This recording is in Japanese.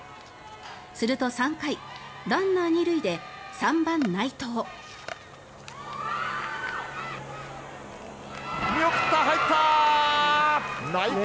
すると、３回ランナー２塁で３番、内藤。